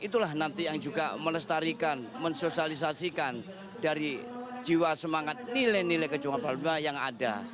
itulah nanti yang juga menestarikan mensosialisasikan dari jiwa semangat nilai nilai kejuangan pak bima yang ada